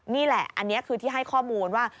นี่แหละอันนี้คือที่ให้ข้อมูลว่า